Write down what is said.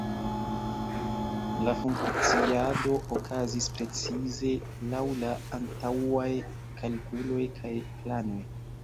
La funkciado okazis precize laŭ la antaŭaj kalkuloj kaj planoj.